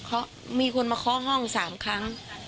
เขามีคนมาเคาะห้อง๓ครั้ง